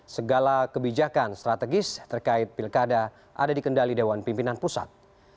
segala kebijakan strategis terkait pilkada ada di kendali dewan pimpinan pusat